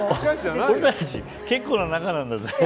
結構な仲なんだぜ。